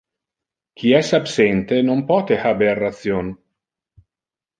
Qui es absente non pote haber ration.